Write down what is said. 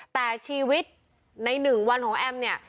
แต่ชีวิตใน๑วันของแอมเนี่ย